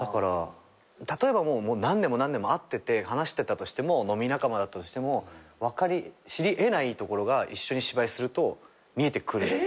例えば何年も何年も会ってて話してたとしても飲み仲間だったとしても知り得ないところが一緒に芝居すると見えてくる。